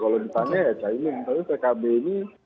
kalau ditanya ya caimin tapi pkb ini